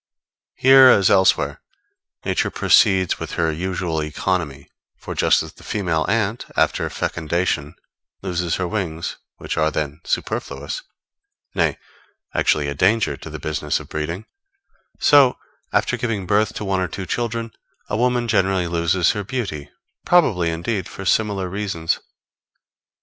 Here, as elsewhere, Nature proceeds with her usual economy; for just as the female ant, after fecundation, loses her wings, which are then superfluous, nay, actually a danger to the business of breeding; so, after giving birth to one or two children, a woman generally loses her beauty; probably, indeed, for similar reasons.